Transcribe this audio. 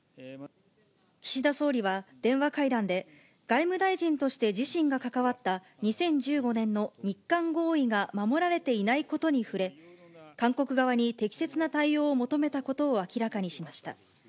岸田総理は電話会談で、外務大臣として自身が関わった２０１５年の日韓合意が守られていないことに触れ、韓国側に適切な対応を求めたことを明らかにしました。